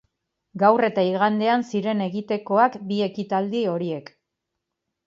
Gaur eta igandean ziren egitekoak bi ekitaldi horiek.